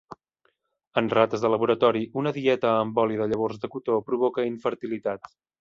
En rates de laboratori una dieta amb oli de llavors de cotó provoca infertilitat.